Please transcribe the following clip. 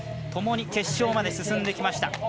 ともに決勝まで進んできました。